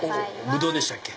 ブドウでしたっけ？